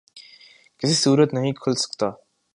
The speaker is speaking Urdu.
کسی صورت نہیں کھل سکتا